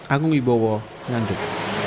anggung ibowo nganjuk